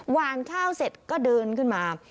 หวานข้าวเสร็จก็เดินขึ้นมา